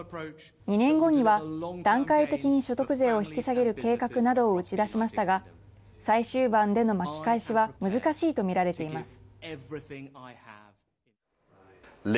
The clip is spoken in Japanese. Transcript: ２年後には、段階的に所得税を引き下げる計画などを打ち出しましたが最終盤での巻き返しは難しいと見られています。